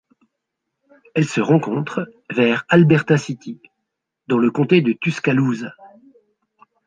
Elle se rencontre vers Alberta City dans le comté de Tuscaloosa.